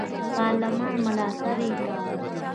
پارلمان ملاتړ یې کاوه.